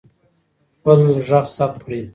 خپل غږ ثبت کړئ.